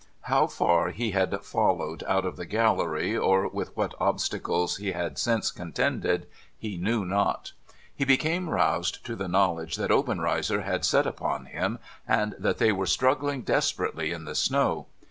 How far he had followed out of the gallery, or with what obstacles he had since contended, he knew not. He became roused to the knowledge that Obenreizer had set upon him, and that they were struggling desperately in the snow.